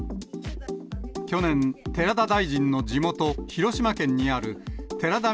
去年、寺田大臣の地元、広島県にある寺田稔